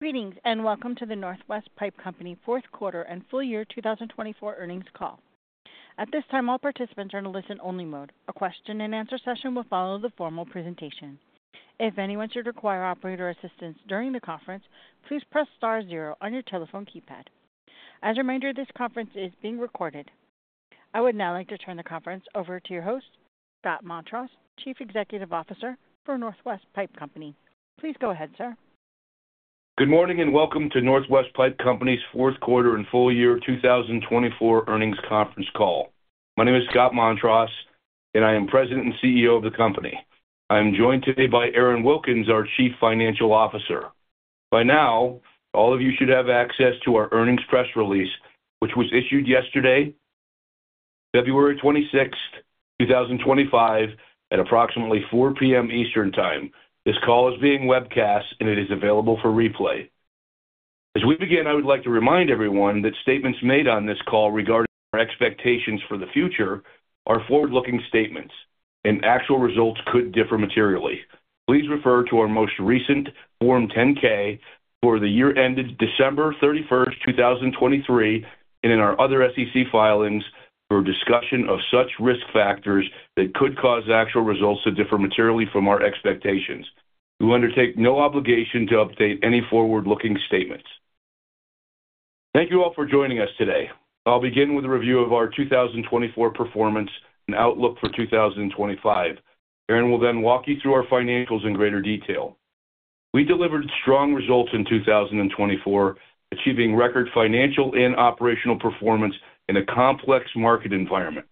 Greetings and welcome to the Northwest Pipe Company Fourth Quarter and Full Year 2024 Earnings Call. At this time, all participants are in a listen-only mode. A question-and-answer session will follow the formal presentation. If anyone should require operator assistance during the conference, please press star zero on your telephone keypad. As a reminder, this conference is being recorded. I would now like to turn the conference over to your host, Scott Montross, Chief Executive Officer for Northwest Pipe Company. Please go ahead, sir. Good morning and welcome to Northwest Pipe Company's Fourth Quarter and Full Year 2024 Earnings Conference Call. My name is Scott Montross, and I am President and CEO of the company. I am joined today by Aaron Wilkins, our Chief Financial Officer. By now, all of you should have access to our earnings press release, which was issued yesterday, February 26, 2025, at approximately 4:00 P.M. Eastern Time. This call is being webcast, and it is available for replay. As we begin, I would like to remind everyone that statements made on this call regarding our expectations for the future are forward-looking statements, and actual results could differ materially. Please refer to our most recent Form 10-K for the year ended December 31, 2023, and in our other SEC filings for discussion of such risk factors that could cause actual results to differ materially from our expectations. We undertake no obligation to update any forward-looking statements. Thank you all for joining us today. I'll begin with a review of our 2024 performance and outlook for 2025. Aaron will then walk you through our financials in greater detail. We delivered strong results in 2024, achieving record financial and operational performance in a complex market environment.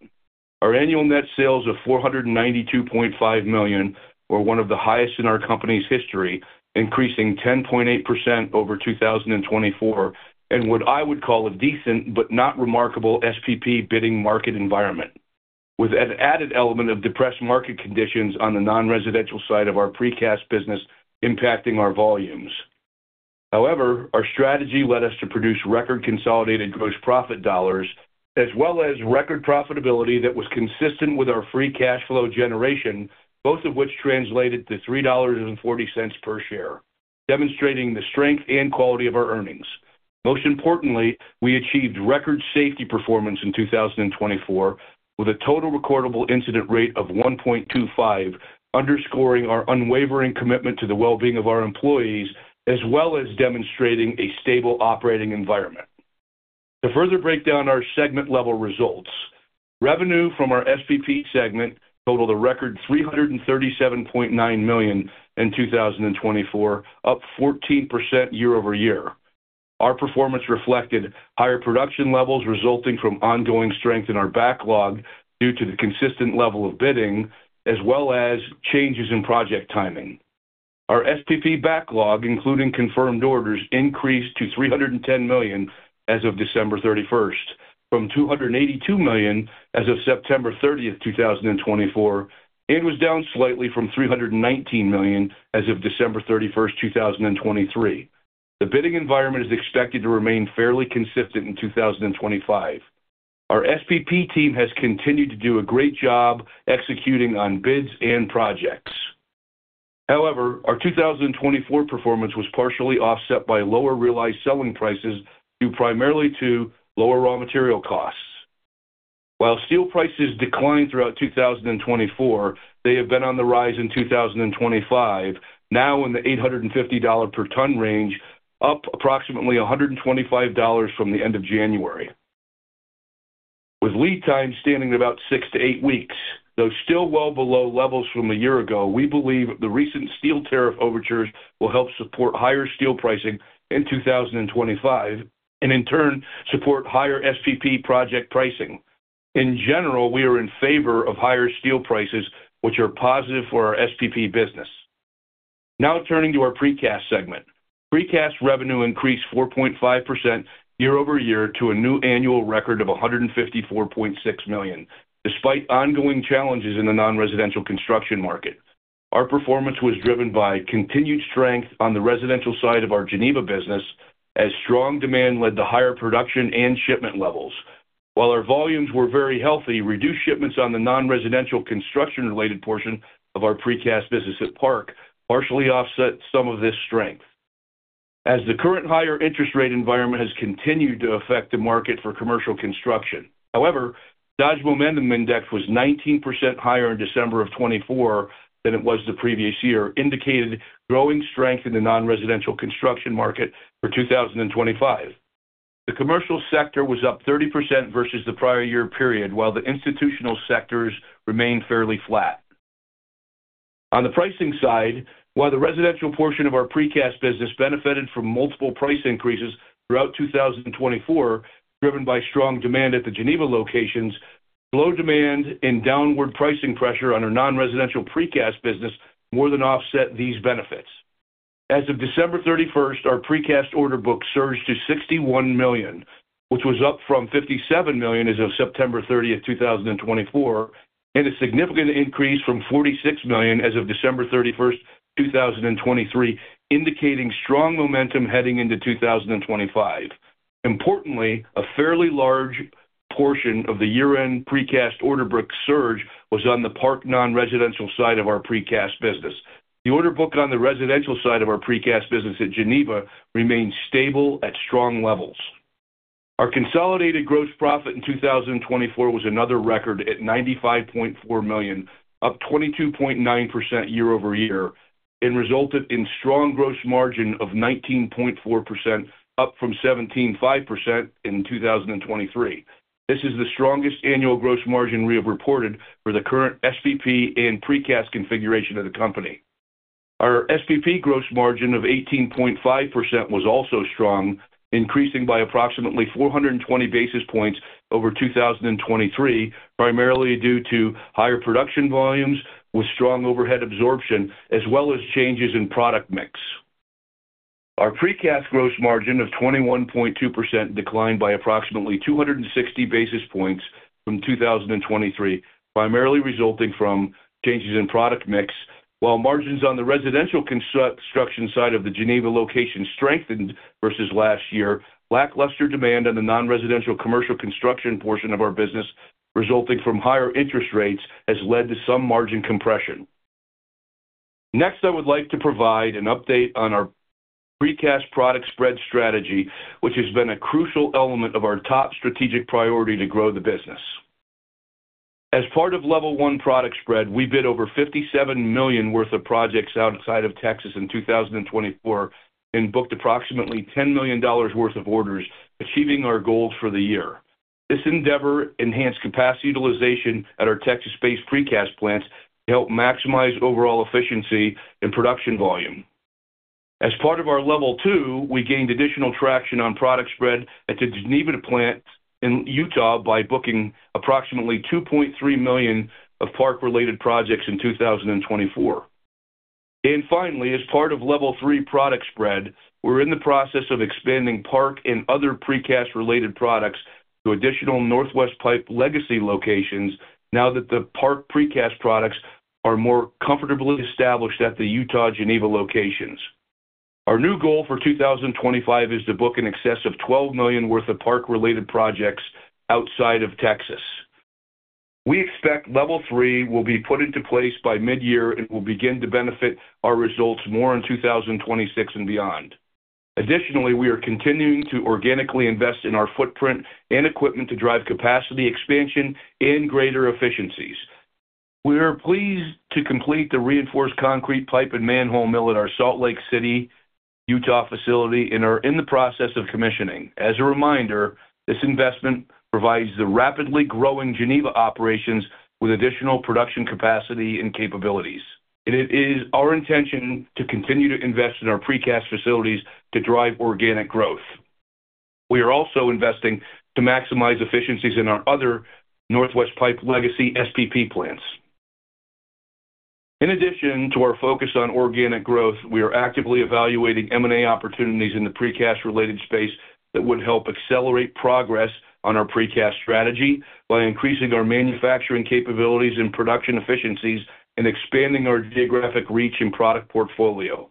Our annual net sales of $492.5 million were one of the highest in our company's history, increasing 10.8% over 2024 in what I would call a decent but not remarkable SPP bidding market environment, with an added element of depressed market conditions on the non-residential side of our precast business impacting our volumes. However, our strategy led us to produce record consolidated gross profit dollars, as well as record profitability that was consistent with our free cash flow generation, both of which translated to $3.40 per share, demonstrating the strength and quality of our earnings. Most importantly, we achieved record safety performance in 2024, with a total recordable incident rate of 1.25, underscoring our unwavering commitment to the well-being of our employees, as well as demonstrating a stable operating environment. To further break down our segment-level results, revenue from our SPP segment totaled a record $337.9 million in 2024, up 14% year-over-year. Our performance reflected higher production levels resulting from ongoing strength in our backlog due to the consistent level of bidding, as well as changes in project timing. Our SPP backlog, including confirmed orders, increased to $310 million as of December 31, from $282 million as of September 30, 2024, and was down slightly from $319 million as of December 31, 2023. The bidding environment is expected to remain fairly consistent in 2025. Our SPP team has continued to do a great job executing on bids and projects. However, our 2024 performance was partially offset by lower realized selling prices due primarily to lower raw material costs. While steel prices declined throughout 2024, they have been on the rise in 2025, now in the $850 per ton range, up approximately $125 from the end of January. With lead times standing at about six to eight weeks, though still well below levels from a year ago, we believe the recent steel tariff overtures will help support higher steel pricing in 2025 and, in turn, support higher SPP project pricing. In general, we are in favor of higher steel prices, which are positive for our SPP business. Now turning to our precast segment, precast revenue increased 4.5% year-over-year to a new annual record of $154.6 million, despite ongoing challenges in the non-residential construction market. Our performance was driven by continued strength on the residential side of our Geneva business, as strong demand led to higher production and shipment levels. While our volumes were very healthy, reduced shipments on the non-residential construction-related portion of our precast business at PARC partially offset some of this strength, as the current higher interest rate environment has continued to affect the market for commercial construction. However, Dodge Momentum Index was 19% higher in December of 2024 than it was the previous year, indicating growing strength in the non-residential construction market for 2025. The commercial sector was up 30% versus the prior year period, while the institutional sectors remained fairly flat. On the pricing side, while the residential portion of our precast business benefited from multiple price increases throughout 2024 driven by strong demand at the Geneva locations, low demand and downward pricing pressure on our non-residential precast business more than offset these benefits. As of December 31, our precast order book surged to $61 million, which was up from $57 million as of September 30, 2024, and a significant increase from $46 million as of December 31, 2023, indicating strong momentum heading into 2025. Importantly, a fairly large portion of the year-end precast order book surge was on the PARC non-residential side of our precast business. The order book on the residential side of our precast business at Geneva remained stable at strong levels. Our consolidated gross profit in 2024 was another record at $95.4 million, up 22.9% year-over-year, and resulted in a strong gross margin of 19.4%, up from 17.5% in 2023. This is the strongest annual gross margin we have reported for the current SPP and precast configuration of the company. Our SPP gross margin of 18.5% was also strong, increasing by approximately 420 basis points over 2023, primarily due to higher production volumes with strong overhead absorption, as well as changes in product mix. Our precast gross margin of 21.2% declined by approximately 260 basis points from 2023, primarily resulting from changes in product mix. While margins on the residential construction side of the Geneva location strengthened versus last year, lackluster demand on the non-residential commercial construction portion of our business, resulting from higher interest rates, has led to some margin compression. Next, I would like to provide an update on our precast product spread strategy, which has been a crucial element of our top strategic priority to grow the business. As part of Level 1 product spread, we bid over $57 million worth of projects outside of Texas in 2024 and booked approximately $10 million worth of orders, achieving our goals for the year. This endeavor enhanced capacity utilization at our Texas-based precast plants to help maximize overall efficiency and production volume. As part of our Level 2, we gained additional traction on product spread at the Geneva plant in Utah by booking approximately $2.3 million of PARC-related projects in 2024, and finally, as part of Level 3 product spread, we're in the process of expanding PARC and other precast-related products to additional Northwest Pipe legacy locations now that the PARC precast products are more comfortably established at the Utah-Geneva locations. Our new goal for 2025 is to book in excess of $12 million worth of PARC-related projects outside of Texas. We expect Level 3 will be put into place by mid-year and will begin to benefit our results more in 2026 and beyond. Additionally, we are continuing to organically invest in our footprint and equipment to drive capacity expansion and greater efficiencies. We are pleased to complete the reinforced concrete pipe and manhole mill at our Salt Lake City, Utah facility and are in the process of commissioning. As a reminder, this investment provides the rapidly growing Geneva operations with additional production capacity and capabilities. It is our intention to continue to invest in our precast facilities to drive organic growth. We are also investing to maximize efficiencies in our other Northwest Pipe legacy SPP plants. In addition to our focus on organic growth, we are actively evaluating M&A opportunities in the precast related space that would help accelerate progress on our precast strategy by increasing our manufacturing capabilities and production efficiencies and expanding our geographic reach and product portfolio.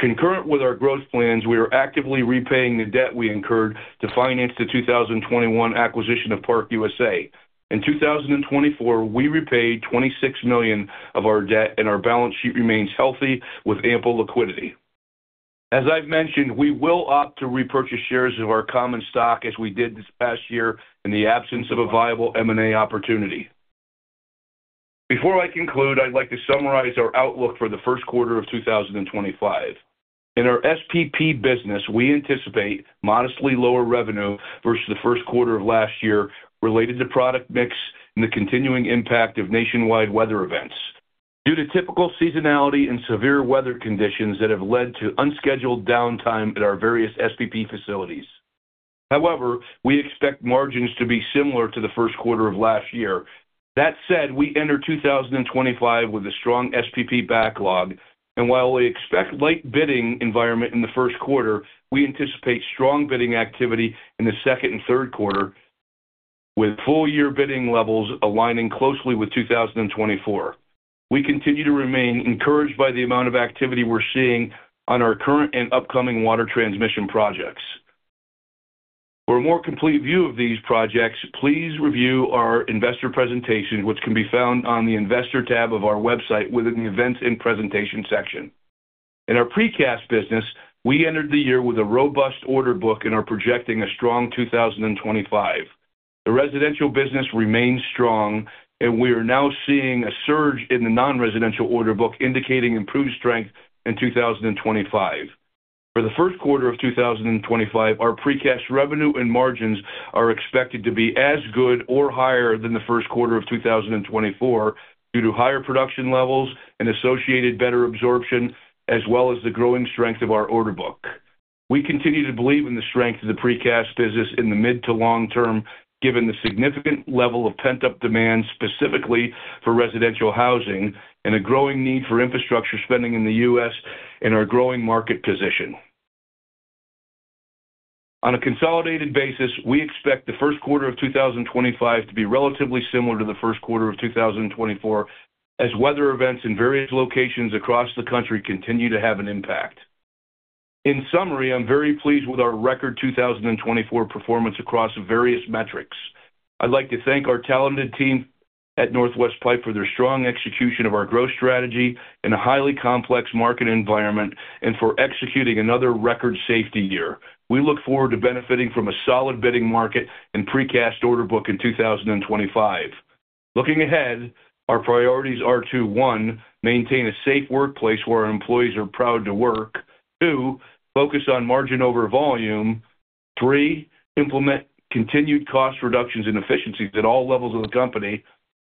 Concurrent with our growth plans, we are actively repaying the debt we incurred to finance the 2021 acquisition of ParkUSA. In 2024, we repaid $26 million of our debt, and our balance sheet remains healthy with ample liquidity. As I've mentioned, we will opt to repurchase shares of our common stock as we did this past year in the absence of a viable M&A opportunity. Before I conclude, I'd like to summarize our outlook for the first quarter of 2025. In our SPP business, we anticipate modestly lower revenue versus the first quarter of last year related to product mix and the continuing impact of nationwide weather events due to typical seasonality and severe weather conditions that have led to unscheduled downtime at our various SPP facilities. However, we expect margins to be similar to the first quarter of last year. That said, we enter 2025 with a strong SPP backlog, and while we expect a light bidding environment in the first quarter, we anticipate strong bidding activity in the second and third quarter, with full-year bidding levels aligning closely with 2024. We continue to remain encouraged by the amount of activity we're seeing on our current and upcoming water transmission projects. For a more complete view of these projects, please review our investor presentation, which can be found on the Investor tab of our website within the Events and Presentations section. In our precast business, we entered the year with a robust order book and are projecting a strong 2025. The residential business remains strong, and we are now seeing a surge in the non-residential order book, indicating improved strength in 2025. For the first quarter of 2025, our precast revenue and margins are expected to be as good or higher than the first quarter of 2024 due to higher production levels and associated better absorption, as well as the growing strength of our order book. We continue to believe in the strength of the precast business in the mid to long term, given the significant level of pent-up demand, specifically for residential housing, and a growing need for infrastructure spending in the U.S. and our growing market position. On a consolidated basis, we expect the first quarter of 2025 to be relatively similar to the first quarter of 2024, as weather events in various locations across the country continue to have an impact. In summary, I'm very pleased with our record 2024 performance across various metrics. I'd like to thank our talented team at Northwest Pipe for their strong execution of our growth strategy in a highly complex market environment and for executing another record safety year. We look forward to benefiting from a solid bidding market and precast order book in 2025. Looking ahead, our priorities are to: one, maintain a safe workplace where our employees are proud to work. Two, focus on margin over volume. Three, implement continued cost reductions and efficiencies at all levels of the company.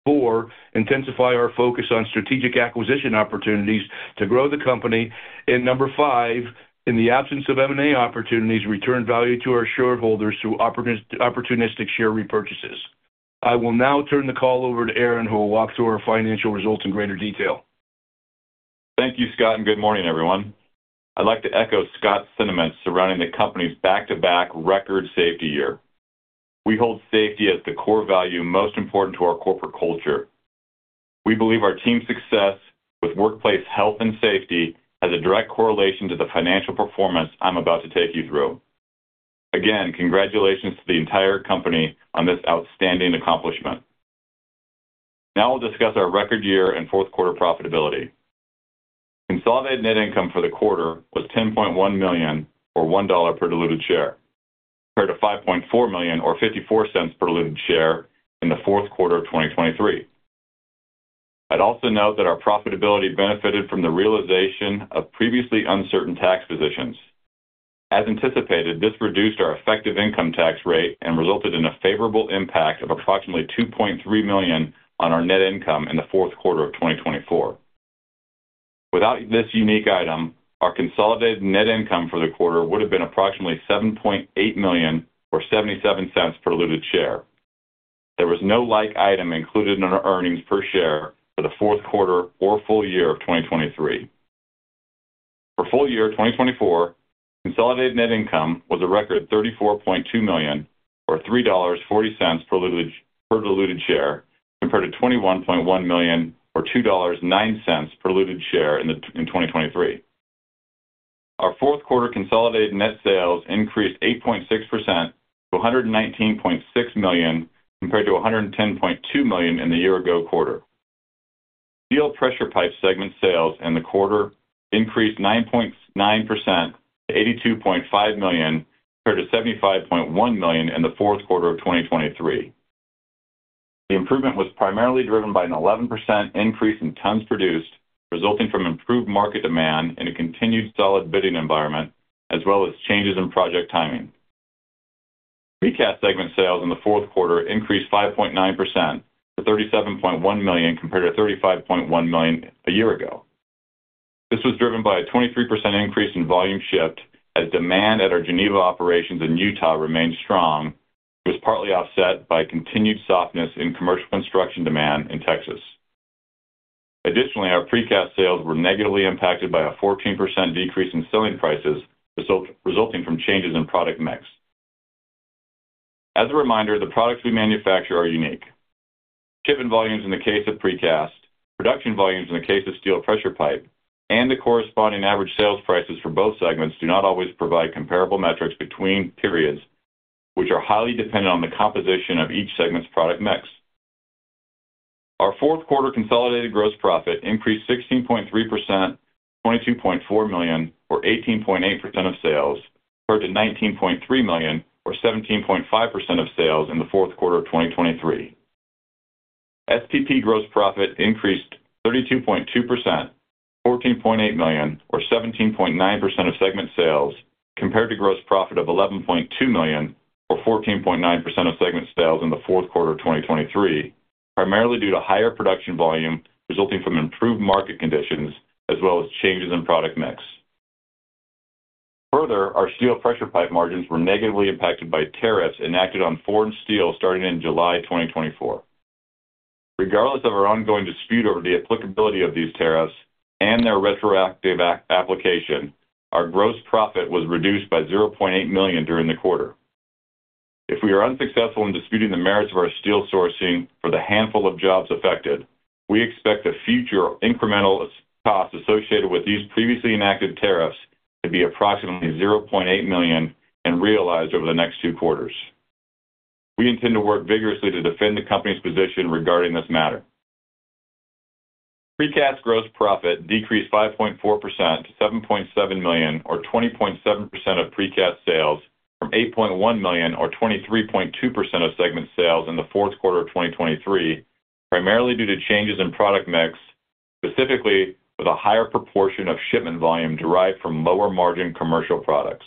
Four, intensify our focus on strategic acquisition opportunities to grow the company. And number five, in the absence of M&A opportunities, return value to our shareholders through opportunistic share repurchases. I will now turn the call over to Aaron, who will walk through our financial results in greater detail. Thank you, Scott, and good morning, everyone. I'd like to echo Scott's sentiments surrounding the company's back-to-back record safety year. We hold safety as the core value most important to our corporate culture. We believe our team's success with workplace health and safety has a direct correlation to the financial performance I'm about to take you through. Again, congratulations to the entire company on this outstanding accomplishment. Now I'll discuss our record year and fourth quarter profitability. Consolidated net income for the quarter was $10.1 million, or $1 per diluted share, compared to $5.4 million, or $0.54 per diluted share, in the fourth quarter of 2023. I'd also note that our profitability benefited from the realization of previously uncertain tax positions. As anticipated, this reduced our effective income tax rate and resulted in a favorable impact of approximately $2.3 million on our net income in the fourth quarter of 2024. Without this unique item, our consolidated net income for the quarter would have been approximately $7.8 million, or $0.77 per diluted share. There was no like item included in our earnings per share for the fourth quarter or full year of 2023. For full year 2024, consolidated net income was a record $34.2 million, or $3.40 per diluted share, compared to $21.1 million, or $2.09 per diluted share in 2023. Our fourth quarter consolidated net sales increased 8.6% to $119.6 million, compared to $110.2 million in the year-ago quarter. Steel pressure pipe segment sales in the quarter increased 9.9% to $82.5 million, compared to $75.1 million in the fourth quarter of 2023. The improvement was primarily driven by an 11% increase in tons produced, resulting from improved market demand and a continued solid bidding environment, as well as changes in project timing. Precast segment sales in the fourth quarter increased 5.9% to $37.1 million, compared to $35.1 million a year ago. This was driven by a 23% increase in volume shift as demand at our Geneva operations in Utah remained strong, which was partly offset by continued softness in commercial construction demand in Texas. Additionally, our precast sales were negatively impacted by a 14% decrease in selling prices resulting from changes in product mix. As a reminder, the products we manufacture are unique. Shipment volumes in the case of precast, production volumes in the case of steel pressure pipe, and the corresponding average sales prices for both segments do not always provide comparable metrics between periods, which are highly dependent on the composition of each segment's product mix. Our fourth quarter consolidated gross profit increased 16.3% to $22.4 million, or 18.8% of sales, compared to $19.3 million, or 17.5% of sales in the fourth quarter of 2023. SPP gross profit increased 32.2% to $14.8 million, or 17.9% of segment sales, compared to gross profit of $11.2 million, or 14.9% of segment sales in the fourth quarter of 2023, primarily due to higher production volume resulting from improved market conditions as well as changes in product mix. Further, our steel pressure pipe margins were negatively impacted by tariffs enacted on foreign steel starting in July 2024. Regardless of our ongoing dispute over the applicability of these tariffs and their retroactive application, our gross profit was reduced by $0.8 million during the quarter. If we are unsuccessful in disputing the merits of our steel sourcing for the handful of jobs affected, we expect the future incremental costs associated with these previously enacted tariffs to be approximately $0.8 million and realized over the next two quarters. We intend to work vigorously to defend the company's position regarding this matter. Precast gross profit decreased 5.4% to $7.7 million, or 20.7% of precast sales, from $8.1 million, or 23.2% of segment sales in the fourth quarter of 2023, primarily due to changes in product mix, specifically with a higher proportion of shipment volume derived from lower-margin commercial products.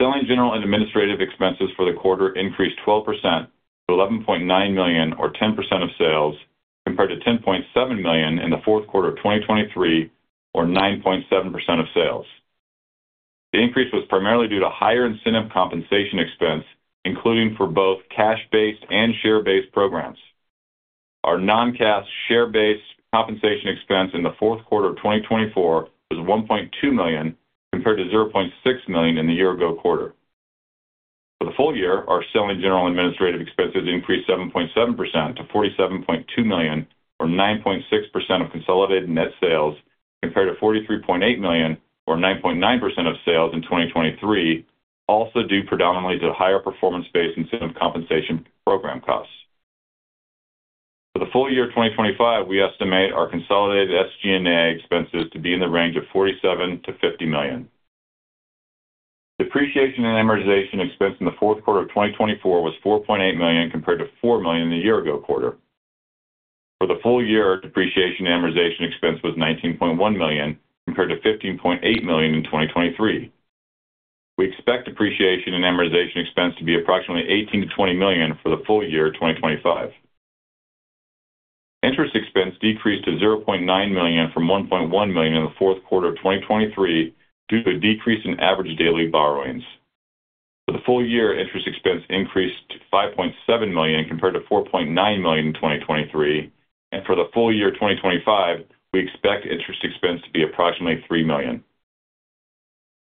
Selling, general, and administrative expenses for the quarter increased 12% to $11.9 million, or 10% of sales, compared to $10.7 million in the fourth quarter of 2023, or 9.7% of sales. The increase was primarily due to higher incentive compensation expense, including for both cash-based and share-based programs. Our non-cash share-based compensation expense in the fourth quarter of 2024 was $1.2 million, compared to $0.6 million in the year-ago quarter. For the full year, our selling general and administrative expenses increased 7.7% to $47.2 million, or 9.6% of consolidated net sales, compared to $43.8 million, or 9.9% of sales in 2023, also due predominantly to the higher performance-based incentive compensation program costs. For the full year 2025, we estimate our consolidated SG&A expenses to be in the range of $47-$50 million. Depreciation and amortization expense in the fourth quarter of 2024 was $4.8 million, compared to $4 million in the year-ago quarter. For the full year, depreciation and amortization expense was $19.1 million, compared to $15.8 million in 2023. We expect depreciation and amortization expense to be approximately $18-$20 million for the full year 2025. Interest expense decreased to $0.9 million from $1.1 million in the fourth quarter of 2023 due to a decrease in average daily borrowings. For the full year, interest expense increased to $5.7 million, compared to $4.9 million in 2023, and for the full year 2025, we expect interest expense to be approximately $3 million.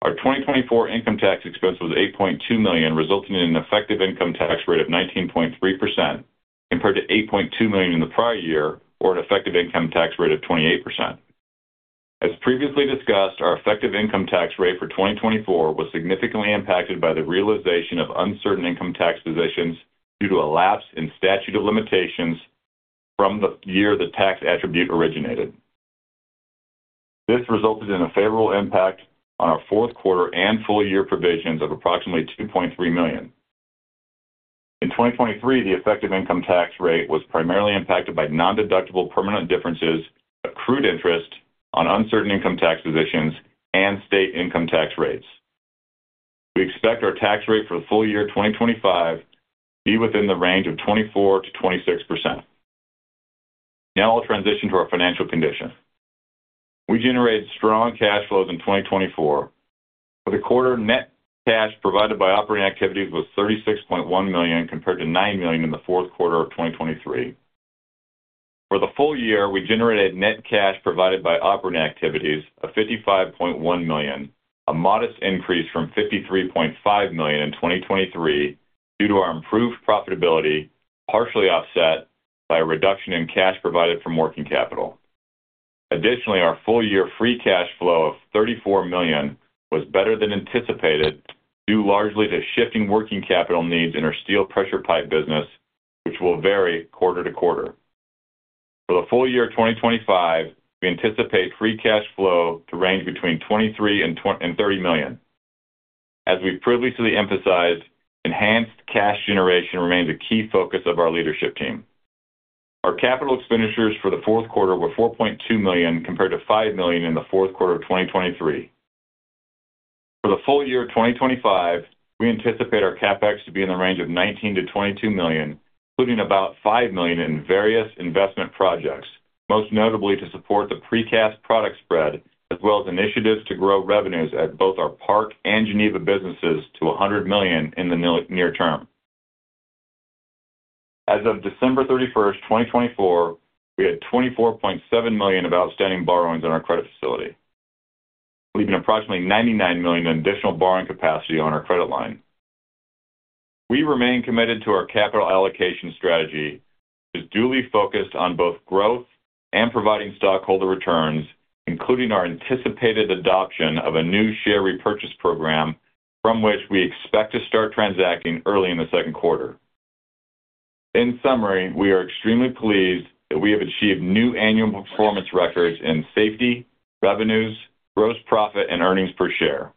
Our 2024 income tax expense was $8.2 million, resulting in an effective income tax rate of 19.3%, compared to $8.2 million in the prior year, or an effective income tax rate of 28%. As previously discussed, our effective income tax rate for 2024 was significantly impacted by the realization of uncertain income tax positions due to a lapse in statute of limitations from the year the tax attribute originated. This resulted in a favorable impact on our fourth quarter and full year provisions of approximately $2.3 million. In 2023, the effective income tax rate was primarily impacted by non-deductible permanent differences of accrued interest on uncertain income tax positions and state income tax rates. We expect our tax rate for the full year 2025 to be within the range of 24%-26%. Now I'll transition to our financial condition. We generated strong cash flows in 2024. For the quarter, net cash provided by operating activities was $36.1 million, compared to $9 million in the fourth quarter of 2023. For the full year, we generated net cash provided by operating activities of $55.1 million, a modest increase from $53.5 million in 2023 due to our improved profitability, partially offset by a reduction in cash provided from working capital. Additionally, our full year free cash flow of $34 million was better than anticipated, due largely to shifting working capital needs in our steel pressure pipe business, which will vary quarter to quarter. For the full year 2025, we anticipate free cash flow to range between $23 and $30 million. As we previously emphasized, enhanced cash generation remains a key focus of our leadership team. Our capital expenditures for the fourth quarter were $4.2 million, compared to $5 million in the fourth quarter of 2023. For the full year 2025, we anticipate our CapEx to be in the range of $19-$22 million, including about $5 million in various investment projects, most notably to support the precast product spread, as well as initiatives to grow revenues at both our Park and Geneva businesses to $100 million in the near term. As of December 31, 2024, we had $24.7 million of outstanding borrowings on our credit facility, leaving approximately $99 million in additional borrowing capacity on our credit line. We remain committed to our capital allocation strategy, which is duly focused on both growth and providing stockholder returns, including our anticipated adoption of a new share repurchase program, from which we expect to start transacting early in the second quarter. In summary, we are extremely pleased that we have achieved new annual performance records in safety, revenues, gross profit, and earnings per share.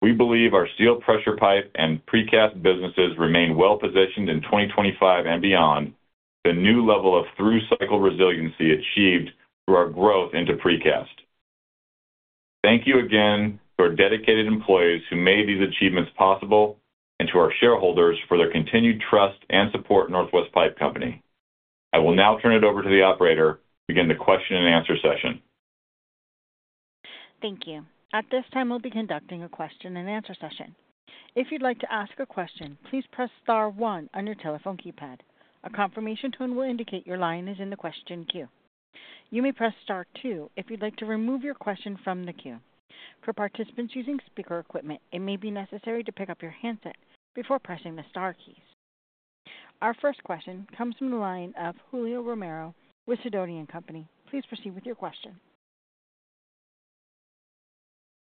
We believe our steel pressure pipe and precast businesses remain well-positioned in 2025 and beyond, with a new level of through-cycle resiliency achieved through our growth into precast. Thank you again to our dedicated employees who made these achievements possible and to our shareholders for their continued trust and support in Northwest Pipe Company. I will now turn it over to the operator to begin the question-and-answer session. Thank you. At this time, we'll be conducting a question-and-answer session. If you'd like to ask a question, please press Star 1 on your telephone keypad. A confirmation tone will indicate your line is in the question queue. You may press Star 2 if you'd like to remove your question from the queue. For participants using speaker equipment, it may be necessary to pick up your handset before pressing the Star keys. Our first question comes from the line of Julio Romero with Sidoti & Company. Please proceed with your question.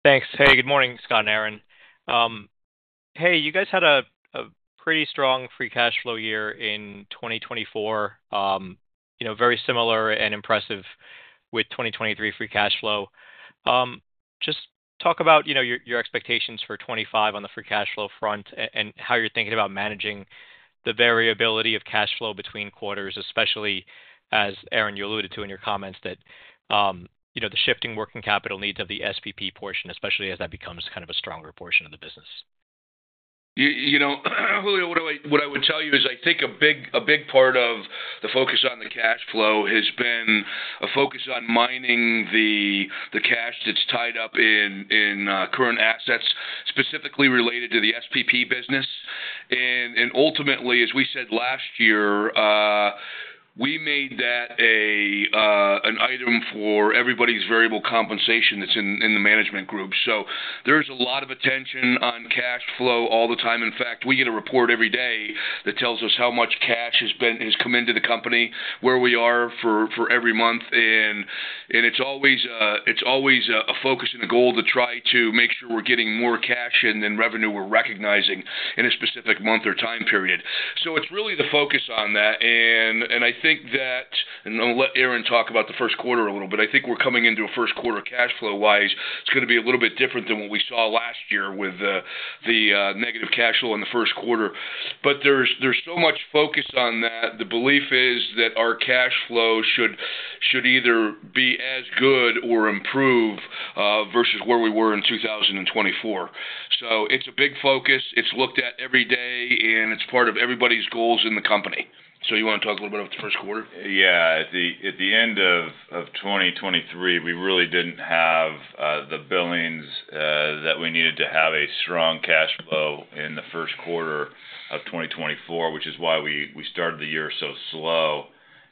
Thanks. Hey, good morning, Scott and Aaron. Hey, you guys had a pretty strong free cash flow year in 2024, very similar and impressive with 2023 free cash flow. Just talk about your expectations for 2025 on the free cash flow front and how you're thinking about managing the variability of cash flow between quarters, especially as Aaron, you alluded to in your comments, that the shifting working capital needs of the SPP portion, especially as that becomes kind of a stronger portion of the business? Julio, what I would tell you is I think a big part of the focus on the cash flow has been a focus on mining the cash that's tied up in current assets, specifically related to the SPP business, and ultimately, as we said last year, we made that an item for everybody's variable compensation that's in the management group, so there's a lot of attention on cash flow all the time. In fact, we get a report every day that tells us how much cash has come into the company, where we are for every month, and it's always a focus and a goal to try to make sure we're getting more cash and then revenue we're recognizing in a specific month or time period, so it's really the focus on that. And I think that, and I'll let Aaron talk about the first quarter a little bit. I think we're coming into a first quarter cash flow-wise. It's going to be a little bit different than what we saw last year with the negative cash flow in the first quarter, but there's so much focus on that. The belief is that our cash flow should either be as good or improve versus where we were in 2024, so it's a big focus.It's looked at every day, and it's part of everybody's goals in the company. So you want to talk a little bit about the first quarter? Yeah. At the end of 2023, we really didn't have the billings that we needed to have a strong cash flow in the first quarter of 2024, which is why we started the year so slow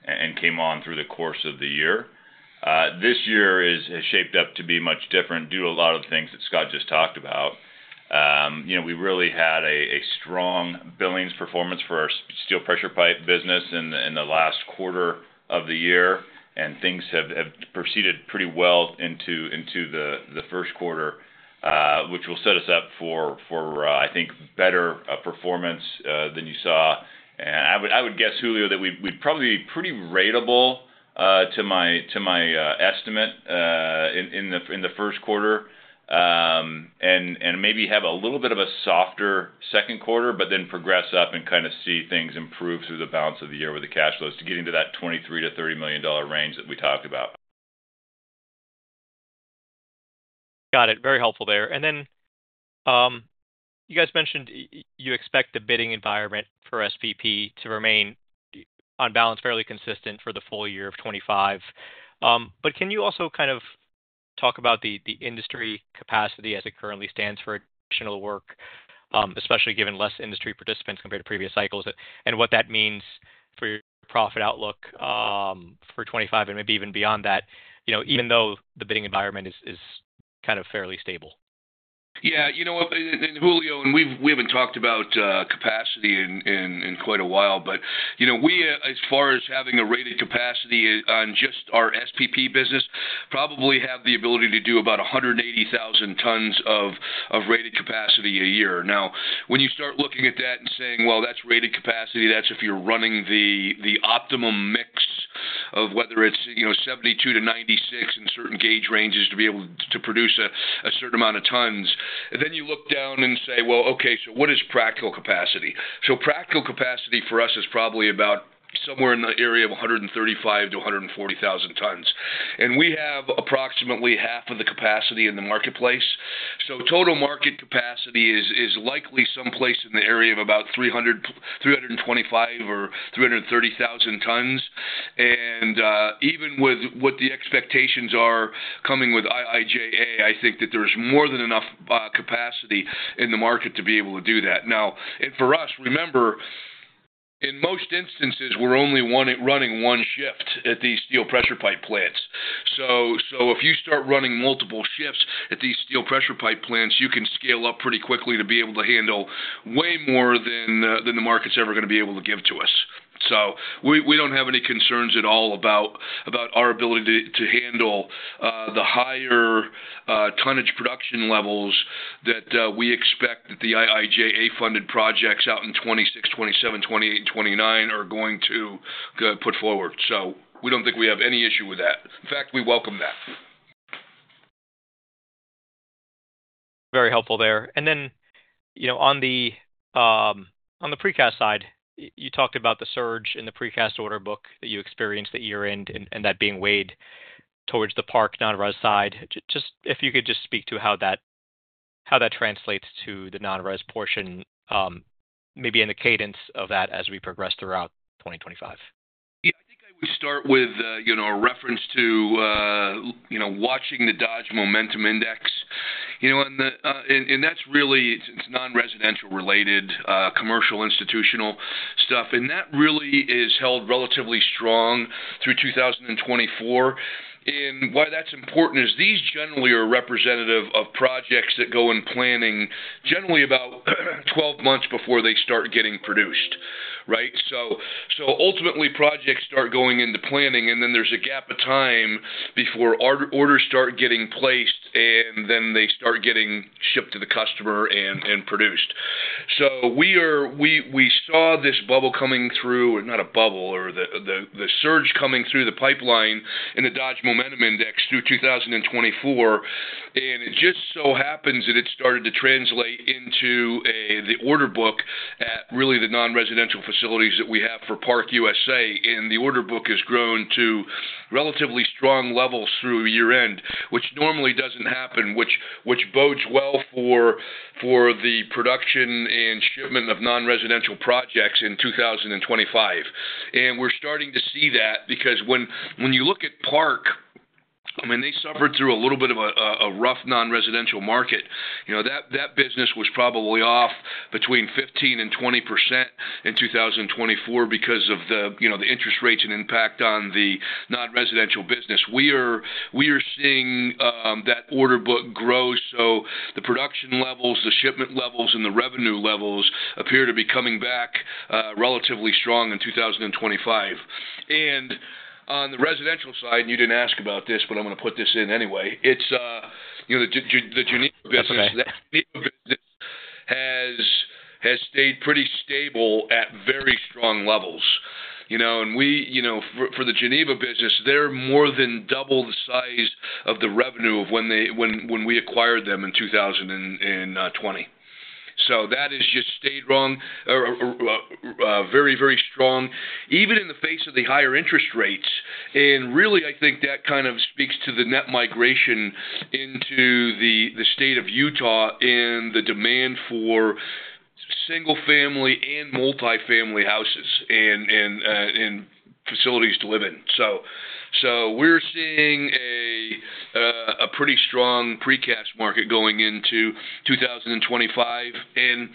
and came on through the course of the year. This year has shaped up to be much different due to a lot of things that Scott just talked about. We really had a strong billings performance for our steel pressure pipe business in the last quarter of the year, and things have proceeded pretty well into the first quarter, which will set us up for, I think, better performance than you saw. And I would guess, Julio, that we'd probably be pretty ratable to my estimate in the first quarter and maybe have a little bit of a softer second quarter, but then progress up and kind of see things improve through the balance of the year with the cash flows to get into that $23-$30 million range that we talked about. Got it. Very helpful there. And then you guys mentioned you expect the bidding environment for SPP to remain on balance fairly consistent for the full year of 2025. But can you also kind of talk about the industry capacity as it currently stands for additional work, especially given less industry participants compared to previous cycles, and what that means for your profit outlook for 2025 and maybe even beyond that, even though the bidding environment is kind of fairly stable? Yeah.You know what, Julio, and we haven't talked about capacity in quite a while, but we, as far as having a rated capacity on just our SPP business, probably have the ability to do about 180,000 tons of rated capacity a year. Now, when you start looking at that and saying, "Well, that's rated capacity, that's if you're running the optimum mix of whether it's 72-96 in certain gauge ranges to be able to produce a certain amount of tons," then you look down and say, "Well, okay, so what is practical capacity?" So practical capacity for us is probably about somewhere in the area of 135-140,000 tons. And we have approximately half of the capacity in the marketplace. So total market capacity is likely someplace in the area of about 325 or 330,000 tons. And even with what the expectations are coming with IIJA, I think that there's more than enough capacity in the market to be able to do that. Now, for us, remember, in most instances, we're only running one shift at these steel pressure pipe plants. So if you start running multiple shifts at these steel pressure pipe plants, you can scale up pretty quickly to be able to handle way more than the market's ever going to be able to give to us. So we don't have any concerns at all about our ability to handle the higher tonnage production levels that we expect that the IIJA-funded projects out in 2026, 2027, 2028, 2029 are going to put forward. So we don't think we have any issue with that. In fact, we welcome that. Very helpful there. And then on the precast side, you talked about the surge in the precast order book that you experienced at year-end and that being weighted towards the Park non-res side. Just if you could just speak to how that translates to the non-res portion, maybe in the cadence of that as we progress throughout 2025. Yeah. I think I would start with a reference to watching the Dodge Momentum Index. And that's really non-residential-related commercial institutional stuff. And that really is held relatively strong through 2024. And why that's important is these generally are representative of projects that go in planning generally about 12 months before they start getting produced, right? So ultimately, projects start going into planning, and then there's a gap of time before orders start getting placed, and then they start getting shipped to the customer and produced. So we saw this bubble coming through, not a bubble, or the surge coming through the pipeline in the Dodge Momentum Index through 2024. And it just so happens that it started to translate into the order book at really the non-residential facilities that we have for Park USA. And the order book has grown to relatively strong levels through year-end, which normally doesn't happen, which bodes well for the production and shipment of non-residential projects in 2025. And we're starting to see that because when you look at Park, I mean, they suffered through a little bit of a rough non-residential market. That business was probably off between 15% and 20% in 2024 because of the interest rates and impact on the non-residential business. We are seeing that order book grow. So the production levels, the shipment levels, and the revenue levels appear to be coming back relatively strong in 2025. And on the residential side, and you didn't ask about this, but I'm going to put this in anyway, it's the Geneva business. That Geneva business has stayed pretty stable at very strong levels. And for the Geneva business, they're more than double the size of the revenue of when we acquired them in 2020. So that has just stayed very, very strong, even in the face of the higher interest rates. And really, I think that kind of speaks to the net migration into the state of Utah and the demand for single-family and multi-family houses and facilities to live in. So we're seeing a pretty strong precast market going into 2025. And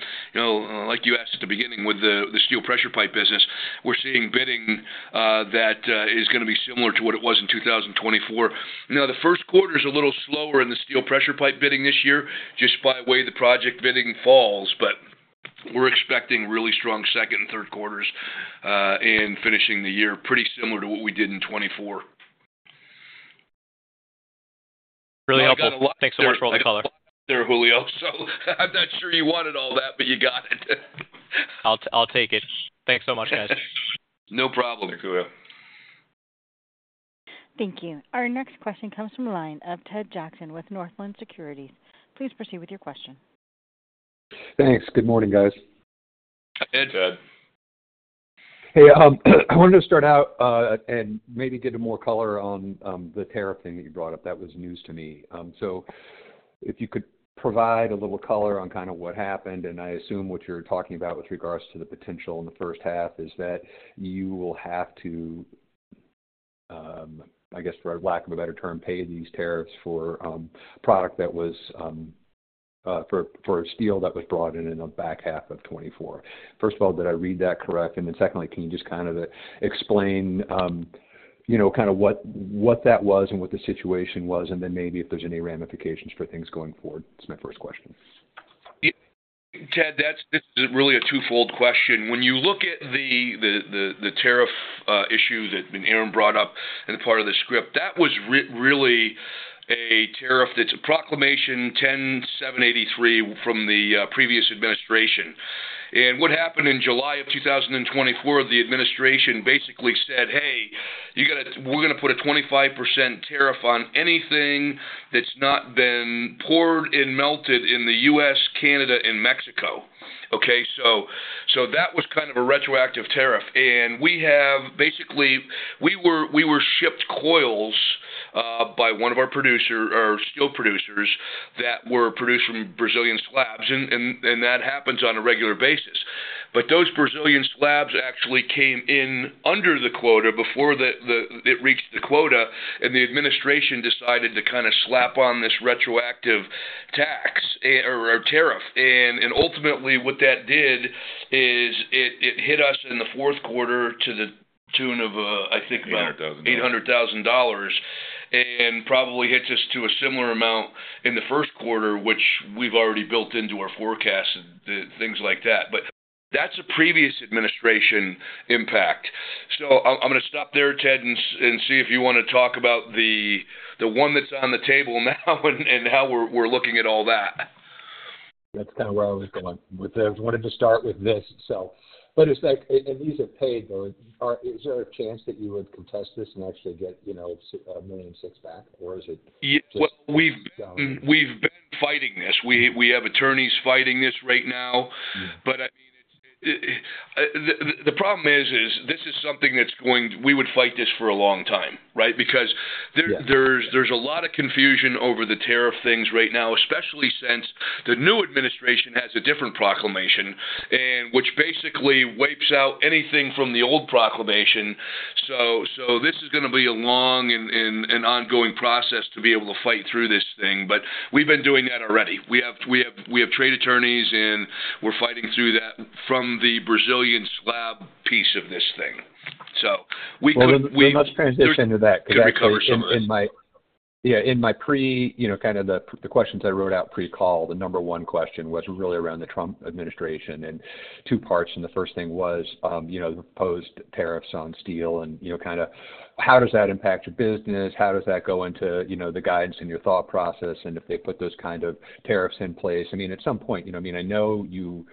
like you asked at the beginning with the steel pressure pipe business, we're seeing bidding that is going to be similar to what it was in 2024. Now, the first quarter is a little slower in the steel pressure pipe bidding this year just by the way the project bidding falls. But we're expecting really strong second and third quarters in finishing the year, pretty similar to what we did in 2024. Really helpful. Thanks so much for all the color. There, Julio. So I'm not sure you wanted all that, but you got it. I'll take it. Thanks so much, guys. No problem, Julio. Thank you. Our next question comes from the line of Ted Jackson with Northland Securities. Please proceed with your question. Thanks. Good morning, guys. Hey, Ted. Hey. I wanted to start out and maybe get more color on the tariff thing that you brought up. That was news to me. So if you could provide a little color on kind of what happened. And I assume what you're talking about with regards to the potential in the first half is that you will have to, I guess, for lack of a better term, pay these tariffs for product that was for steel that was brought in in the back half of 2024.First of all, did I read that correct? And then secondly, can you just kind of explain kind of what that was and what the situation was? And then maybe if there's any ramifications for things going forward. That's my first question. Ted, this is really a two fold question. When you look at the tariff issue that Aaron brought up in the part of the script, that was really a tariff that's a Proclamation 10783 from the previous administration. And what happened in July of 2024, the administration basically said, "Hey, we're going to put a 25% tariff on anything that's not been poured and melted in the U.S., Canada, and Mexico." Okay? So that was kind of a retroactive tariff. And basically, we were shipped coils by one of our steel producers that were produced from Brazilian slabs. And that happens on a regular basis. But those Brazilian slabs actually came in under the quota before it reached the quota. And the administration decided to kind of slap on this retroactive tax or tariff. Ultimately, what that did is it hit us in the fourth quarter to the tune of, I think, about $800,000 and probably hit us to a similar amount in the first quarter, which we've already built into our forecast, things like that. But that's a previous administration impact. So I'm going to stop there, Ted, and see if you want to talk about the one that's on the table now and how we're looking at all that. That's kind of where I was going. I wanted to start with this. But it's like, and these are paid, though. Is there a chance that you would contest this and actually get $1.6 million back, or is it? Well, we've been fighting this. We have attorneys fighting this right now. But I mean, the problem is, this is something that's going to. We would fight this for a long time, right? Because there's a lot of confusion over the tariff things right now, especially since the new administration has a different proclamation, which basically wipes out anything from the old proclamation, so this is going to be a long and ongoing process to be able to fight through this thing, but we've been doing that already. We have trade attorneys, and we're fighting through that from the Brazilian slab piece of this thing, well, let's transition to that because I covered some of it. Yeah. In my pre-call kind of the questions I wrote out pre-call, the number one question was really around the Trump administration in two parts, and the first thing was the proposed tariffs on steel and kind of how does that impact your business? How does that go into the guidance and your thought process? And if they put those kind of tariffs in place, I mean, at some point, I mean, I know you,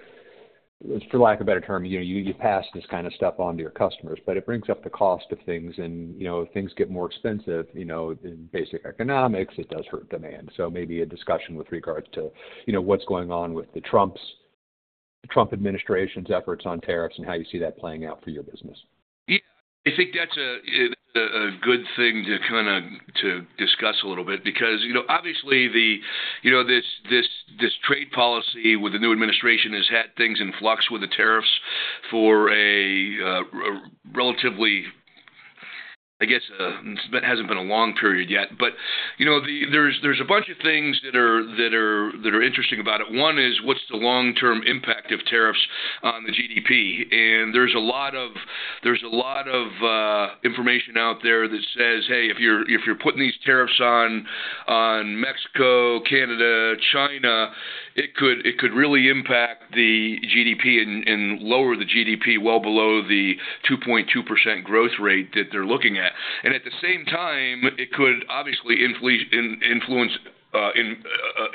for lack of a better term, you pass this kind of stuff on to your customers. But it brings up the cost of things. And if things get more expensive in basic economics, it does hurt demand. So maybe a discussion with regards to what's going on with the Trump administration's efforts on tariffs and how you see that playing out for your business. Yeah. I think that's a good thing to kind of discuss a little bit because, obviously, this trade policy with the new administration has had things in flux with the tariffs for a relatively, I guess it hasn't been a long period yet. But there's a bunch of things that are interesting about it. One is what's the long-term impact of tariffs on the GDP? And there's a lot of, there's a lot of information out there that says, "Hey, if you're putting these tariffs on Mexico, Canada, China, it could really impact the GDP and lower the GDP well below the 2.2% growth rate that they're looking at." And at the same time, it could obviously influence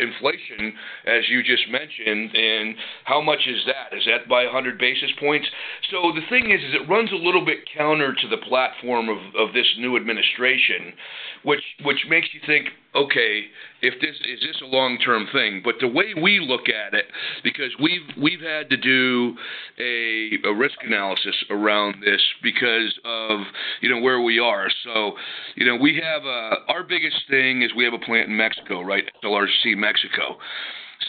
inflation, as you just mentioned. And how much is that? Is that by 100 basis points? So the thing is, it runs a little bit counter to the platform of this new administration, which makes you think, "Okay, is this a long-term thing?" But the way we look at it, because we've had to do a risk analysis around this because of where we are. So our biggest thing is we have a plant in Mexico, right? It's SLRC Mexico.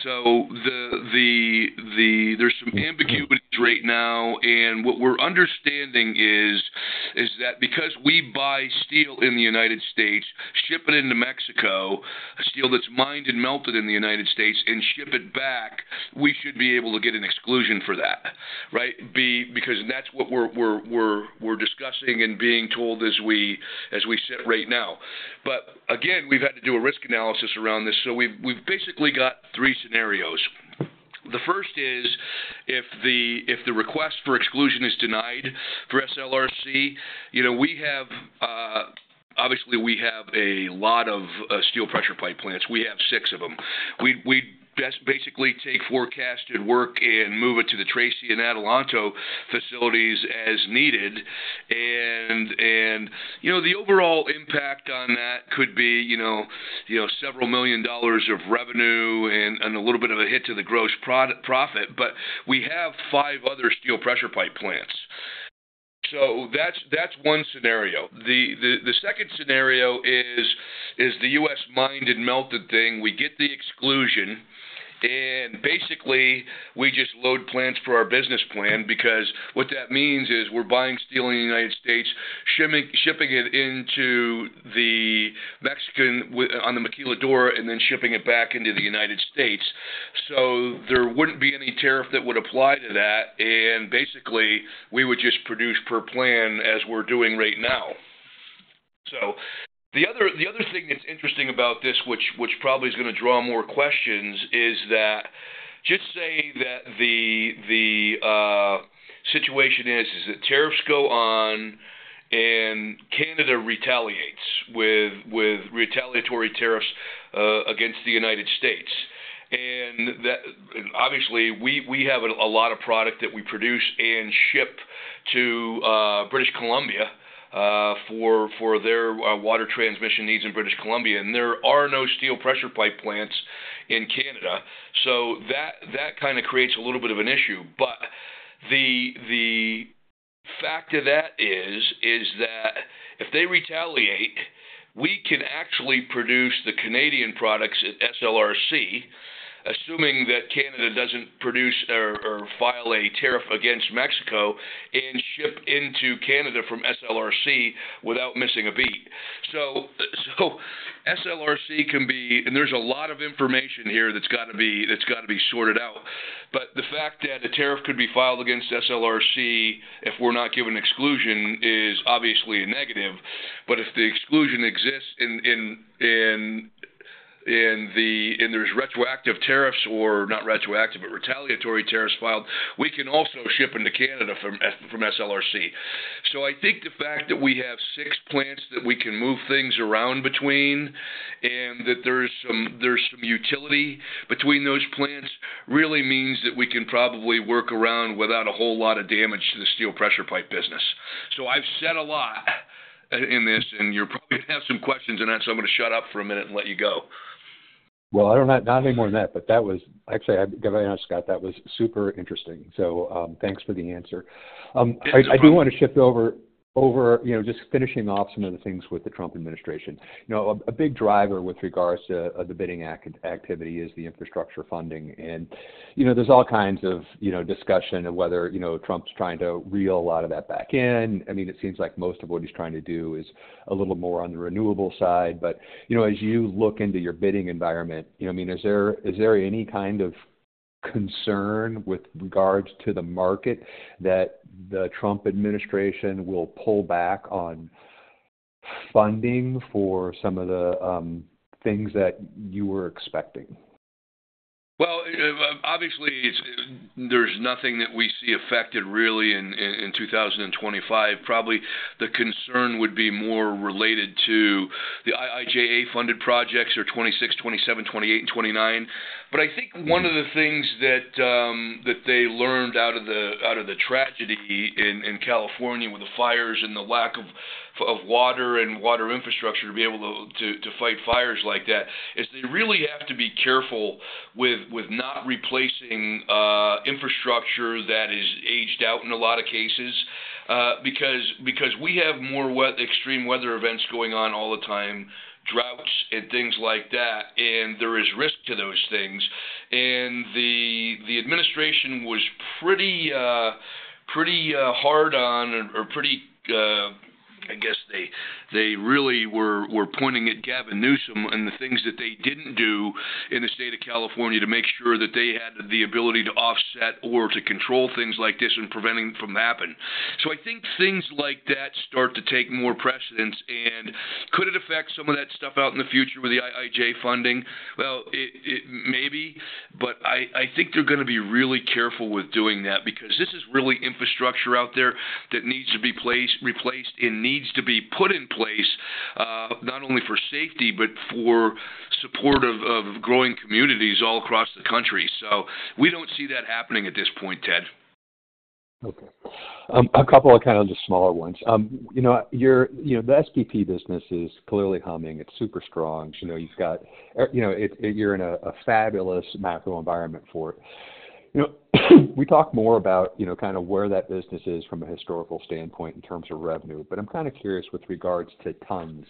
So there's some ambiguities right now. What we're understanding is that because we buy steel in the United States, ship it into Mexico, steel that's mined and melted in the United States, and ship it back, we should be able to get an exclusion for that, right? Because that's what we're discussing and being told as we sit right now. But again, we've had to do a risk analysis around this. So we've basically got three scenarios. The first is if the request for exclusion is denied for SLRC, obviously, we have a lot of steel pressure pipe plants. We have six of them. We basically take forecasted work and move it to the Tracy and Adelanto facilities as needed. And the overall impact on that could be several million dollars of revenue and a little bit of a hit to the gross profit. But we have five other steel pressure pipe plants. So that's one scenario. The second scenario is the U.S. mined and melted thing. We get the exclusion. And basically, we just load plants for our business plan because what that means is we're buying steel in the United States, shipping it into Mexico and the maquiladora and then shipping it back into the United States. So there wouldn't be any tariff that would apply to that. And basically, we would just produce per plan as we're doing right now. So the other thing that's interesting about this, which probably is going to draw more questions, is that just say that the situation is that tariffs go on and Canada retaliates with retaliatory tariffs against the United States. And obviously, we have a lot of product that we produce and ship to British Columbia for their water transmission needs in British Columbia. There are no steel pressure pipe plants in Canada. So that kind of creates a little bit of an issue. But the fact of that is that if they retaliate, we can actually produce the Canadian products at SLRC, assuming that Canada doesn't produce or file a tariff against Mexico and ship into Canada from SLRC without missing a beat. So SLRC can be, and there's a lot of information here that's got to be sorted out. But the fact that a tariff could be filed against SLRC if we're not given exclusion is obviously a negative. But if the exclusion exists and there's retroactive tariffs or not retroactive, but retaliatory tariffs filed, we can also ship into Canada from SLRC. So, I think the fact that we have six plants that we can move things around between and that there's some utility between those plants really means that we can probably work around without a whole lot of damage to the steel pressure pipe business. So, I've said a lot in this, and you're probably going to have some questions on that. So, I'm going to shut up for a minute and let you go. Well, not any more than that. But actually, I got to ask Scott. That was super interesting. So, thanks for the answer. I do want to shift over, just finishing off some of the things with the Trump administration. A big driver with regards to the bidding activity is the infrastructure funding. And there's all kinds of discussion of whether Trump's trying to reel a lot of that back in. I mean, it seems like most of what he's trying to do is a little more on the renewable side. But as you look into your bidding environment, I mean, is there any kind of concern with regards to the market that the Trump administration will pull back on funding for some of the things that you were expecting? Well, obviously, there's nothing that we see affected really in 2025. Probably the concern would be more related to the IIJA-funded projects or 2026, 2027, 2028, and 2029. But I think one of the things that they learned out of the tragedy in California with the fires and the lack of water and water infrastructure to be able to fight fires like that is they really have to be careful with not replacing infrastructure that is aged out in a lot of cases because we have more extreme weather events going on all the time, droughts and things like that. And there is risk to those things. And the administration was pretty hard on or pretty—I guess they really were pointing at Gavin Newsom and the things that they didn't do in the state of California to make sure that they had the ability to offset or to control things like this and preventing it from happening. So I think things like that start to take more precedence. Could it affect some of that stuff out in the future with the IIJA funding? Well, maybe. But I think they're going to be really careful with doing that because this is really infrastructure out there that needs to be replaced and needs to be put in place not only for safety but for support of growing communities all across the country. So we don't see that happening at this point, Ted. Okay. A couple of kind of just smaller ones. The SPP business is clearly humming. It's super strong. You've got—you're in a fabulous macro environment for it. We talk more about kind of where that business is from a historical standpoint in terms of revenue. But I'm kind of curious with regards to tons.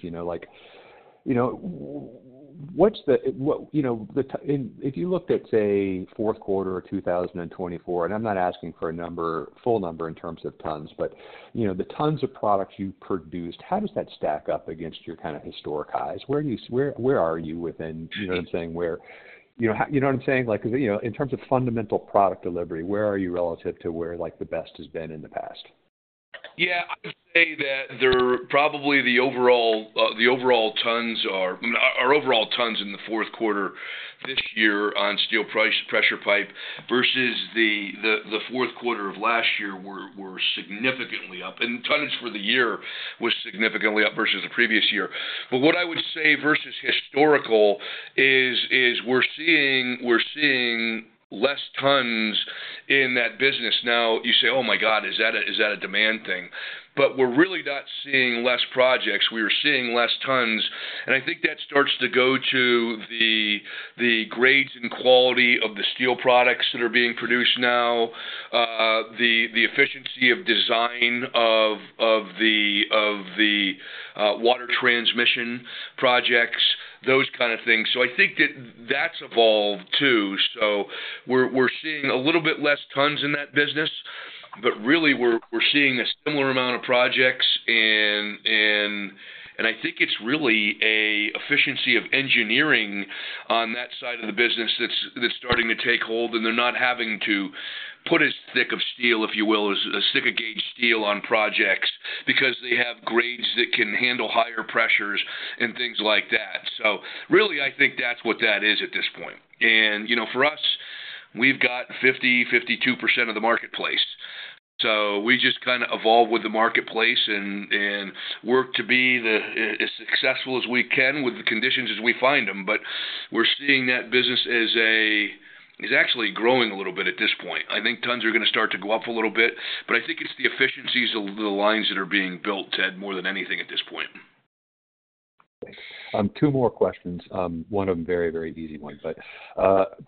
What's the—and if you looked at, say, fourth quarter of 2024—and I'm not asking for a full number in terms of tons, but the tons of products you've produced, how does that stack up against your kind of historic highs? Where are you within—you know what I'm saying? You know what I'm saying? Because in terms of fundamental product delivery, where are you relative to where the best has been in the past? Yeah. I would say that probably the overall tons are—our overall tons in the fourth quarter this year on steel pressure pipe versus the fourth quarter of last year were significantly up. And tons for the year was significantly up versus the previous year. But what I would say versus historical is we're seeing less tons in that business. Now, you say, "Oh my God, is that a demand thing?" But we're really not seeing less projects. We are seeing less tons. And I think that starts to go to the grades and quality of the steel products that are being produced now, the efficiency of design of the water transmission projects, those kind of things. So I think that that's evolved too. So we're seeing a little bit less tons in that business. But really, we're seeing a similar amount of projects. And I think it's really an efficiency of engineering on that side of the business that's starting to take hold. And they're not having to put as thick of steel, if you will, as thick a gauge steel on projects because they have grades that can handle higher pressures and things like that. So really, I think that's what that is at this point. And for us, we've got 50-52% of the marketplace. So we just kind of evolve with the marketplace and work to be as successful as we can with the conditions as we find them. But we're seeing that business is actually growing a little bit at this point. I think tons are going to start to go up a little bit. But I think it's the efficiencies of the lines that are being built, Ted, more than anything at this point. Two more questions. One of them very, very easy ones. But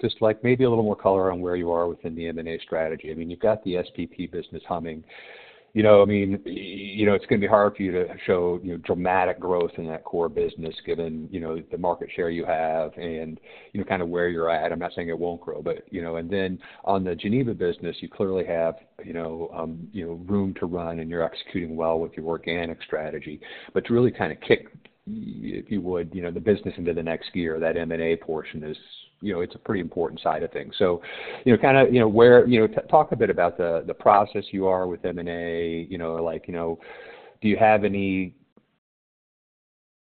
just maybe a little more color on where you are within the M&A strategy. I mean, you've got the SPP business humming. I mean, it's going to be hard for you to show dramatic growth in that core business given the market share you have and kind of where you're at. I'm not saying it won't grow. But then on the Geneva business, you clearly have room to run and you're executing well with your organic strategy. But to really kind of kick, if you would, the business into the next gear, that M&A portion is a pretty important side of things. So kind of talk a bit about the process you are with M&A. Do you have any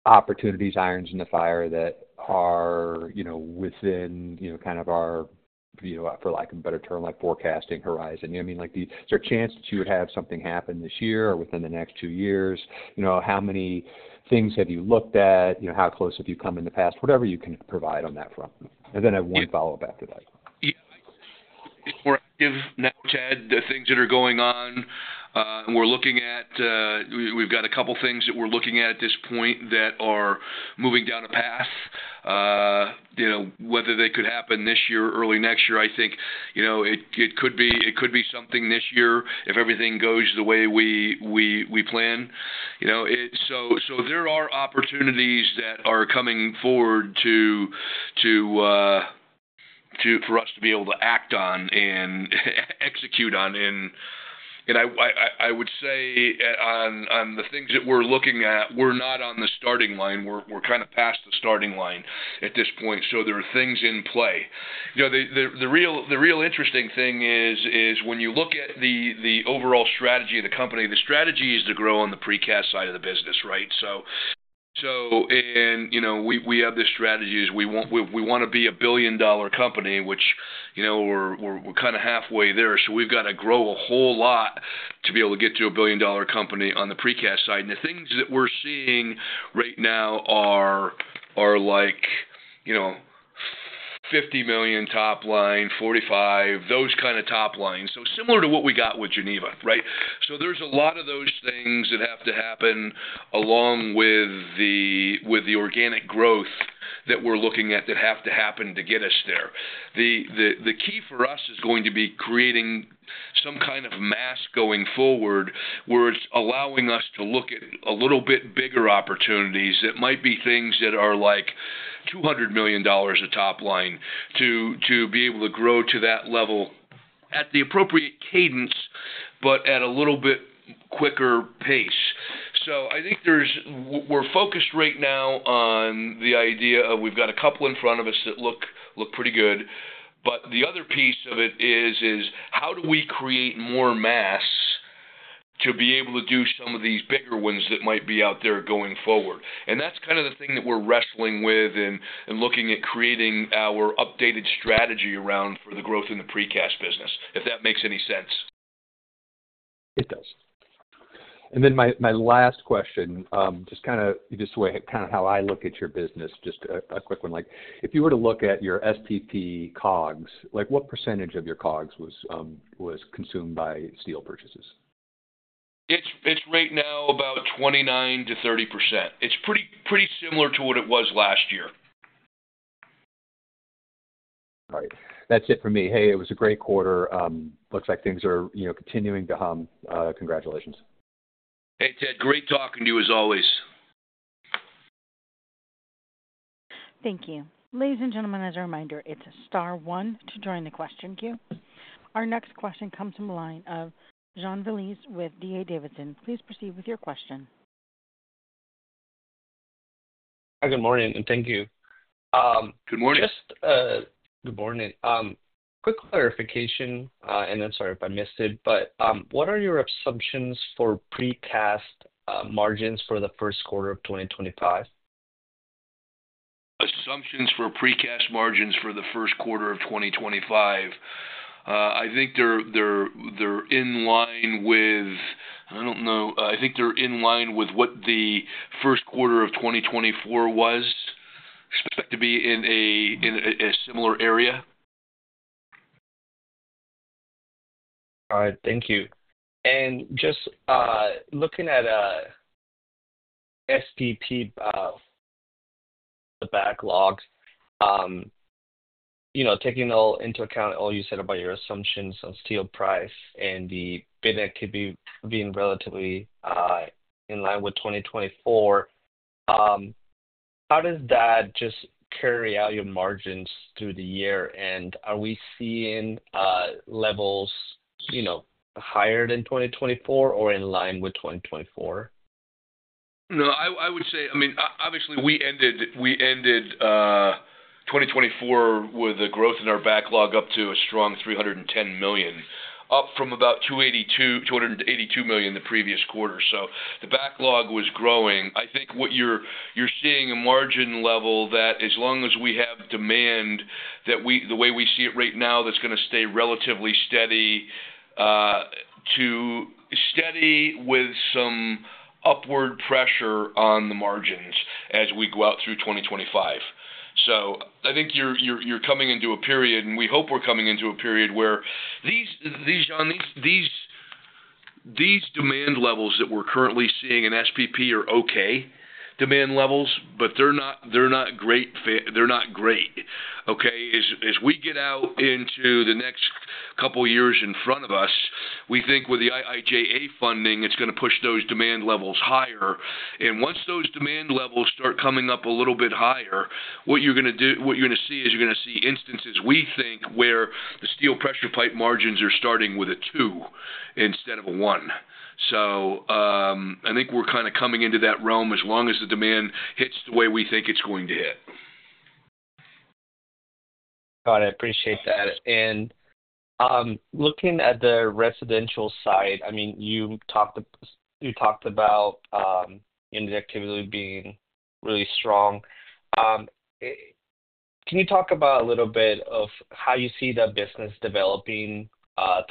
opportunities, irons in the fire that are within kind of our, for lack of a better term, forecasting horizon? I mean, is there a chance that you would have something happen this year or within the next two years? How many things have you looked at? How close have you come in the past? Whatever you can provide on that front. And then I have one follow-up after that. Yeah. For now, Ted, the things that are going on, we're looking at. We've got a couple of things that we're looking at at this point that are moving down a path. Whether they could happen this year or early next year, I think it could be something this year if everything goes the way we plan. So there are opportunities that are coming forward for us to be able to act on and execute on. And I would say on the things that we're looking at, we're not on the starting line. We're kind of past the starting line at this point. So there are things in play. The real interesting thing is when you look at the overall strategy of the company, the strategy is to grow on the precast side of the business, right? And we have this strategy is we want to be a billion-dollar company, which we're kind of halfway there. So we've got to grow a whole lot to be able to get to a billion-dollar company on the precast side. And the things that we're seeing right now are like $50 million top line, $45 million, those kind of top lines. So similar to what we got with Geneva, right? So there's a lot of those things that have to happen along with the organic growth that we're looking at that have to happen to get us there. The key for us is going to be creating some kind of mass going forward where it's allowing us to look at a little bit bigger opportunities. It might be things that are like $200 million of top line to be able to grow to that level at the appropriate cadence, but at a little bit quicker pace. So I think we're focused right now on the idea of we've got a couple in front of us that look pretty good. But the other piece of it is how do we create more mass to be able to do some of these bigger ones that might be out there going forward? And that's kind of the thing that we're wrestling with and looking at creating our updated strategy around for the growth in the precast business, if that makes any sense. It does. And then my last question, just kind of how I look at your business, just a quick one. If you were to look at your SPP COGS, what percentage of your COGS was consumed by steel purchases? It's right now about 29%-30%. It's pretty similar to what it was last year. All right. That's it for me. Hey, it was a great quarter. Looks like things are continuing to hum. Congratulations. Hey, Ted. Great talking to you as always. Thank you. Ladies and gentlemen, as a reminder, it's a star one to join the question queue. Our next question comes from the line of Jean Ramirez with D.A. Davidson. Please proceed with your question. Hi, good morning, and thank you. Good morning. Just good morning. Quick clarification, and I'm sorry if I missed it, but what are your assumptions for pre-tax margins for the first quarter of 2025? Assumptions for pre-tax margins for the first quarter of 2025. I think they're in line with, I don't know. I think they're in line with what the first quarter of 2024 was, expect to be in a similar area. All right. Thank you. And just looking at SPP backlog, taking into account all you said about your assumptions on steel price and the bid activity being relatively in line with 2024, how does that just carry out your margins through the year? And are we seeing levels higher than 2024 or in line with 2024? No, I would say, I mean, obviously, we ended 2024 with a growth in our backlog up to a strong $310 million, up from about $282 million the previous quarter. So the backlog was growing. I think what you're seeing a margin level that as long as we have demand, the way we see it right now, that's going to stay relatively steady to steady with some upward pressure on the margins as we go out through 2025. So I think you're coming into a period, and we hope we're coming into a period where these demand levels that we're currently seeing in SPP are okay demand levels, but they're not great. They're not great. Okay? As we get out into the next couple of years in front of us, we think with the IIJA funding, it's going to push those demand levels higher. And once those demand levels start coming up a little bit higher, what you're going to do, what you're going to see is you're going to see instances, we think, where the Steel Pressure Pipe margins are starting with a two instead of a one. So I think we're kind of coming into that realm as long as the demand hits the way we think it's going to hit. Got it. I appreciate that. And looking at the residential side, I mean, you talked about activity being really strong. Can you talk about a little bit of how you see the business developing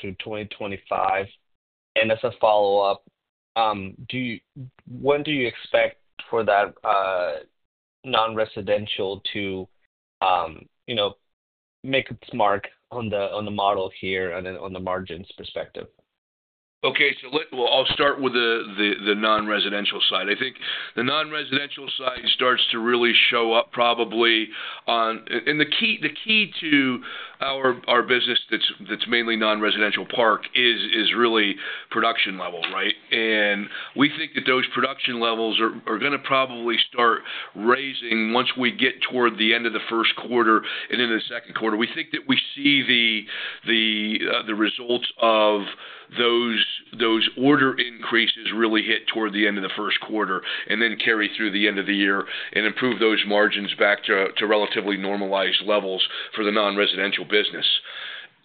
through 2025? And as a follow-up, when do you expect for that non-residential to make its mark on the model here and on the margins perspective? Okay. So I'll start with the non-residential side. I think the non-residential side starts to really show up probably on—and the key to our business that's mainly non-residential park is really production level, right? We think that those production levels are going to probably start rising once we get toward the end of the first quarter and into the second quarter. We think that we see the results of those order increases really hit toward the end of the first quarter and then carry through the end of the year and improve those margins back to relatively normalized levels for the non-residential business.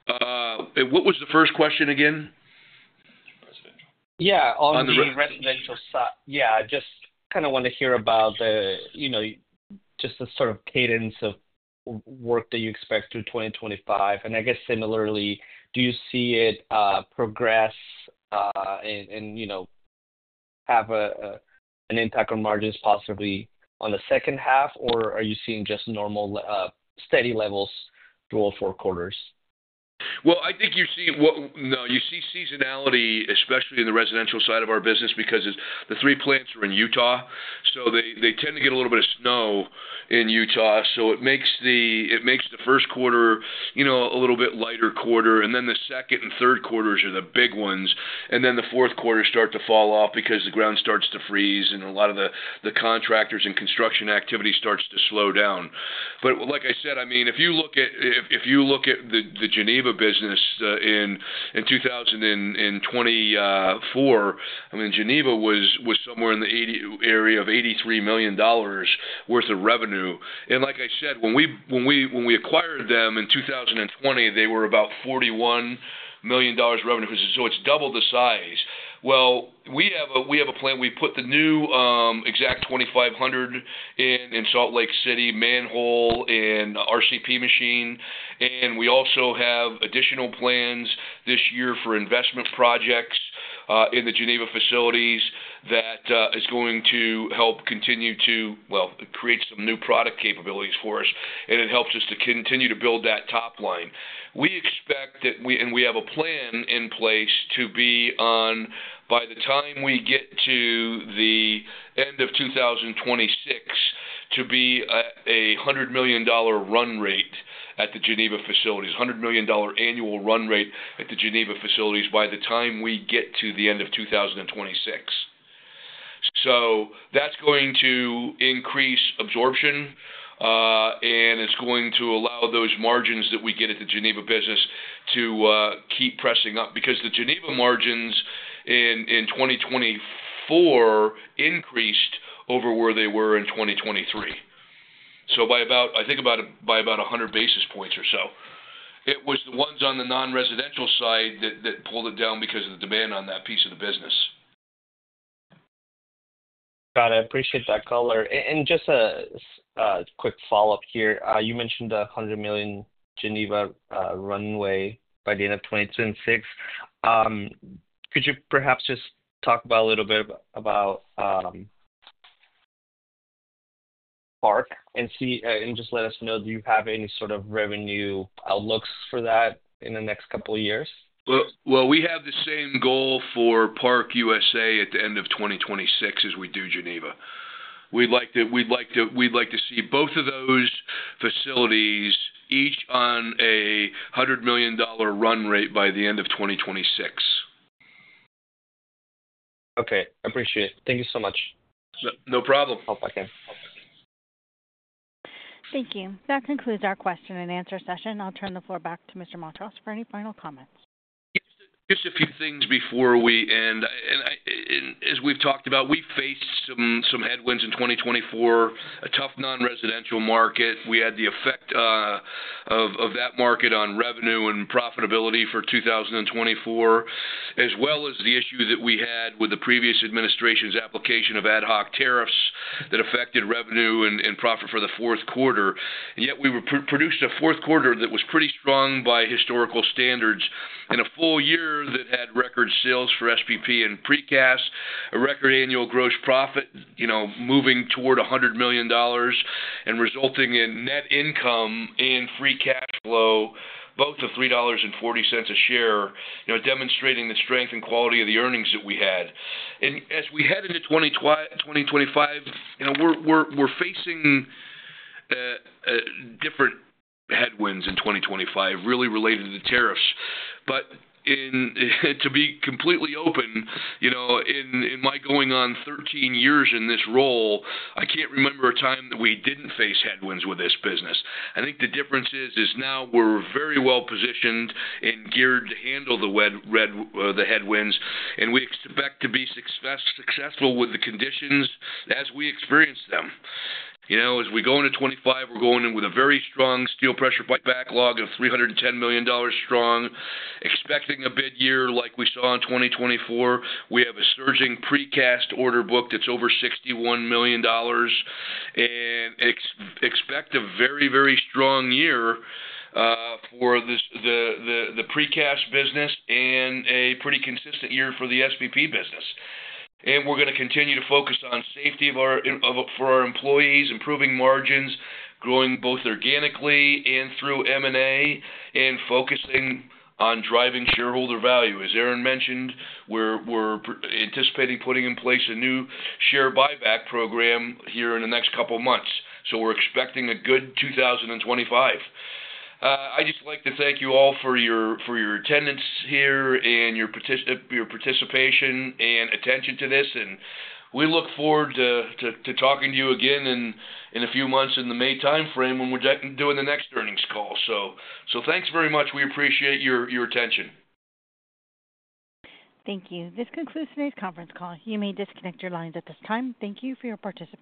What was the first question again? On the residential. Yeah. On the residential side. Yeah. I just kind of want to hear about just the sort of cadence of work that you expect through 2025. I guess similarly, do you see it progress and have an impact on margins possibly on the second half, or are you seeing just normal steady levels through all four quarters? Well, I think you see, well, no, you see seasonality, especially in the residential side of our business because the three plants are in Utah. So they tend to get a little bit of snow in Utah. So it makes the first quarter a little bit lighter quarter. And then the second and third quarters are the big ones. And then the fourth quarter starts to fall off because the ground starts to freeze and a lot of the contractors and construction activity starts to slow down. But like I said, I mean, if you look at the Geneva business in 2024, I mean, Geneva was somewhere in the area of $83 million worth of revenue. Like I said, when we acquired them in 2020, they were about $41 million revenue. So it's double the size. We have a plan. We put the new Exact 2500 in Salt Lake City, manhole, and RCP machine. We also have additional plans this year for investment projects in the Geneva facilities that is going to help continue to, well, create some new product capabilities for us. It helps us to continue to build that top line. We expect that and we have a plan in place to be on, by the time we get to the end of 2026, to be at a $100 million run rate at the Geneva facilities, $100 million annual run rate at the Geneva facilities by the time we get to the end of 2026. So that's going to increase absorption, and it's going to allow those margins that we get at the Geneva business to keep pressing up because the Geneva margins in 2024 increased over where they were in 2023. So by about, I think about 100 basis points or so. It was the ones on the non-residential side that pulled it down because of the demand on that piece of the business. Got it. I appreciate that color. And just a quick follow-up here. You mentioned the $100 million Geneva runway by the end of 2026. Could you perhaps just talk a little bit about Park and just let us know, do you have any sort of revenue outlooks for that in the next couple of years? Well, we have the same goal for Park USA at the end of 2026 as we do Geneva. We'd like to see both of those facilities each on a $100 million run rate by the end of 2026. Okay. I appreciate it. Thank you so much. No problem. Hope I can. Thank you. That concludes our question and answer session. I'll turn the floor back to Mr. Montross for any final comments. Just a few things before we end. As we've talked about, we faced some headwinds in 2024, a tough non-residential market. We had the effect of that market on revenue and profitability for 2024, as well as the issue that we had with the previous administration's application of ad hoc tariffs that affected revenue and profit for the fourth quarter. Yet we produced a fourth quarter that was pretty strong by historical standards in a full year that had record sales for SPP and precast, a record annual gross profit moving toward $100 million and resulting in net income and free cash flow, both of $3.40 a share, demonstrating the strength and quality of the earnings that we had, and as we head into 2025, we're facing different headwinds in 2025, really related to the tariffs, but to be completely open, in my going on 13 years in this role, I can't remember a time that we didn't face headwinds with this business. I think the difference is now we're very well positioned and geared to handle the headwinds, and we expect to be successful with the conditions as we experience them. As we go into 2025, we're going in with a very strong steel pressure pipe backlog of $310 million strong, expecting a bid year like we saw in 2024. We have a surging precast order book that's over $61 million, and expect a very, very strong year for the precast business and a pretty consistent year for the SPP business, and we're going to continue to focus on safety for our employees, improving margins, growing both organically and through M&A, and focusing on driving shareholder value. As Aaron mentioned, we're anticipating putting in place a new share buyback program here in the next couple of months, so we're expecting a good 2025. I just like to thank you all for your attendance here and your participation and attention to this. And we look forward to talking to you again in a few months in the May timeframe when we're doing the next earnings call. So thanks very much. We appreciate your attention. Thank you. This concludes today's conference call. You may disconnect your lines at this time. Thank you for your participation.